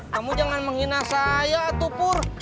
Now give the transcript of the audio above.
kamu jangan menghina saya tuh pur